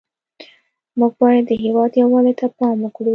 موږ باید د هېواد یووالي ته پام وکړو